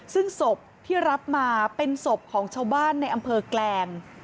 ซึ่งศพที่รับมาเป็นศพของชาวบ้านในอำเภอแกลง